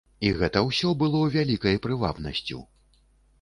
І гэта ўсё было вялікай прывабнасцю.